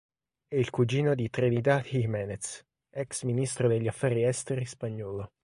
È il cugino di Trinidad Jiménez, ex ministro degli Affari esteri spagnolo.